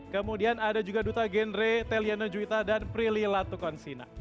kemudian ada juga duta gendre tellyana juwita dan prilly latukonsina